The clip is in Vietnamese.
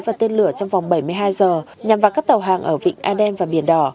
và tên lửa trong vòng bảy mươi hai giờ nhằm vào các tàu hàng ở vịnh aden và biển đỏ